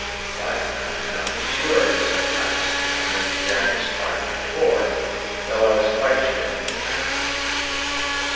But, I could not be sure of this unconsciousness on Mr. Jaggers's part before, though I was quite sure of it now.